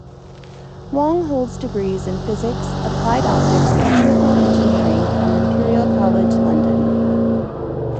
Wong holds degrees in physics, applied optics, and chemical engineering from Imperial College London.